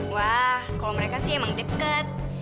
wah kalau mereka sih emang deket